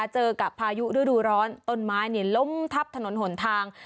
เจอกับพายุฤดูร้อนต้นไม้ล้มทับถนนหนทาง